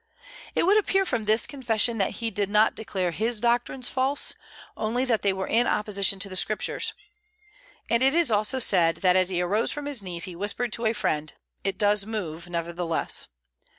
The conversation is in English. It would appear from this confession that he did not declare his doctrines false, only that they were in opposition to the Scriptures; and it is also said that as he arose from his knees he whispered to a friend, "It does move, nevertheless."